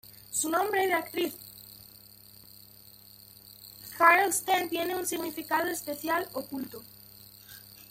Su nombre de actriz porno, Krystal Steal, tiene un significado especial oculto.